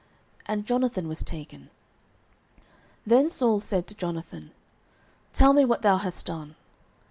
And Jonathan was taken. 09:014:043 Then Saul said to Jonathan, Tell me what thou hast done.